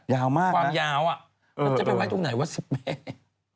ความยาวจะไปไหนวะ๑๐เมตร